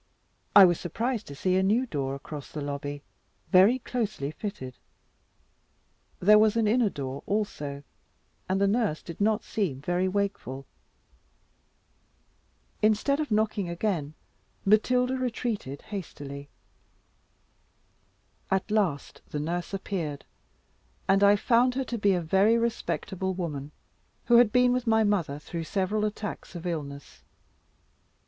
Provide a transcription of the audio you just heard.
I was surprised to see a new door across the lobby, very closely fitted. There was an inner door also, and the nurse did not seem very wakeful. Instead of knocking again, Matilda retreated hastily. At last the nurse appeared, and I found her to be a very respectable woman, who had been with my mother, through several attacks of illness.